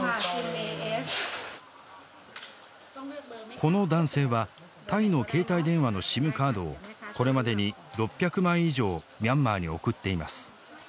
この男性はタイの携帯電話のＳＩＭカードをこれまでに６００枚以上ミャンマーに送っています。